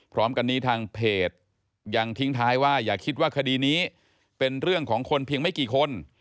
พร้อมกันนี้ทางเพจยังทิ้งท้ายว่าอย่าคิดว่าคดีนี้เป็นเรื่องของคนเพียงไม่กี่คน